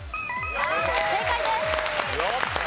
正解です。